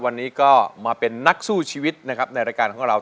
วันนี้ก็มาเป็นนักสู้ชีวิตนะครับในรายการของเรา